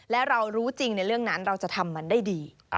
และเรารู้จริงในเรื่องนั้นเราจะทำมันได้ดี